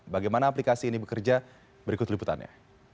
bagaimana aplikasi ini bekerja berikut liputannya